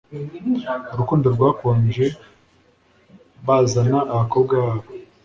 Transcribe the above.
urukundo rwakonje bazana abakobwa babo